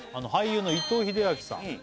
俳優の伊藤英明さん